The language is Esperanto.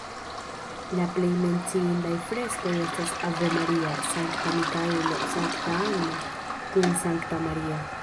La plej menciindaj freskoj estas Ave Maria, Sankta Mikaelo, Sankta Anna kun Sankta Maria.